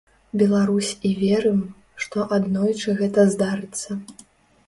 Беларусь і верым, што аднойчы гэта здарыцца.